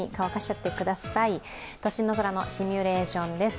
都心の空のシミュレーションです。